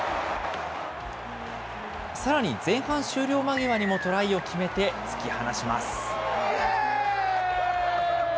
さらに前半終了間際にもトライを決めて、突き放します。